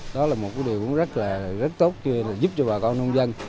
đó là một điều rất tốt giúp cho bà con nông dân